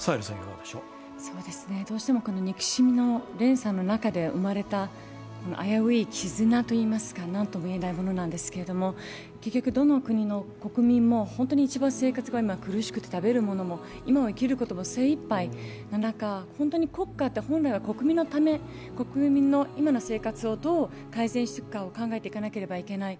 どうしても歴史の連鎖の中で生まれた危うい絆といいいますか何とも言えないものなんですが結局、どの国の国民も一番今、生活が苦しくて食べるものも今は生きることも精いっぱいの中、本当に国家って本来は国民のため、国民の今の生活をどう改善していくかを考えていかなければいけない。